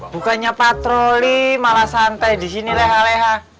bukannya patroli malah santai disini leha leha